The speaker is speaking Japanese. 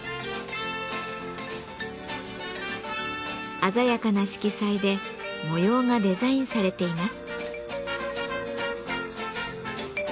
鮮やかな色彩で模様がデザインされています。